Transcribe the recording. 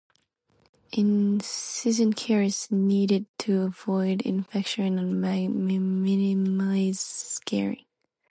Incision care is needed to avoid infection and minimize scarring.